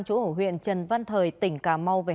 chỗ ở huyện trần văn thời tỉnh cà mau